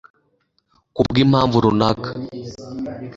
ku bwi mpamvu runaka